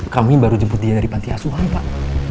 kami baru jemput dia dari panti asuhan pak